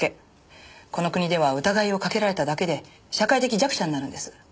この国では疑いをかけられただけで社会的弱者になるんです。